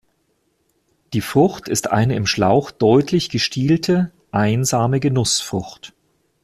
Die Frucht ist eine im Schlauch deutlich gestielte, einsamige Nussfrucht.